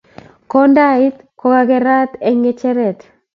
kondait ko kokakerat eng' ngecheret